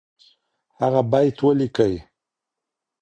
هغه بیت ولیکئ.